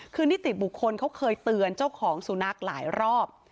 คือนิติบุคคลเขาเคยเตือนเจ้าของสุนัขหลายรอบ